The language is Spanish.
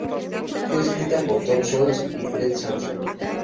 Fue escrita por Tom Scholz y Fred Sampson.